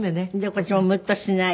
こっちもムッとしない。